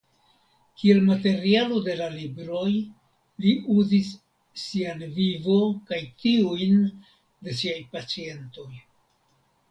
Kiel materialo de la libroj li uzis sian vivo kaj tiujn de siaj pacientoj.